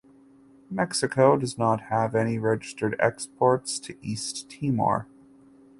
Mexico does not have any registered exports to East Timor.